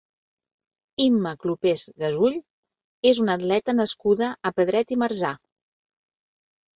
Imma Clopés Gasull és una atleta nascuda a Pedret i Marzà.